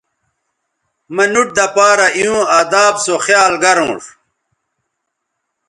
مہ نُوٹ دہ پارہ ایوں اداب سو خیال گرونݜ